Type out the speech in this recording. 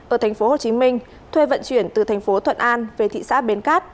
ở thành phố hồ chí minh thuê vận chuyển từ thành phố thuận an về thị xã bến cát